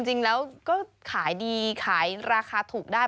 จริงแล้วก็ขายดีขายราคาถูกได้